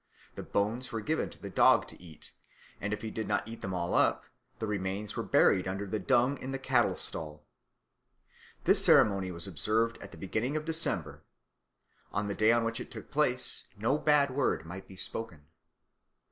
The bones were given to the dog to eat; if he did not eat them all up, the remains were buried under the dung in the cattle stall. This ceremony was observed at the beginning of December. On the day on which it took place no bad word might be spoken.